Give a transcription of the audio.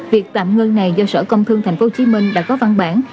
việc tạm ngưng này do sở công thương tp hcm đã có văn bản